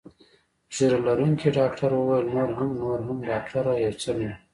ږیره لرونکي ډاکټر وویل: نور هم، نور هم، ډاکټره یو څه نور.